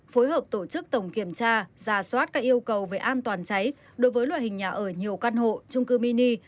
phối hợp tổ chức tổng kiểm tra giả soát các yêu cầu về an toàn cháy đối với loại hình nhà ở nhiều căn hộ trung cư mini